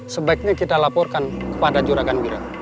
sebaiknya kita laporkan kepada juragan wira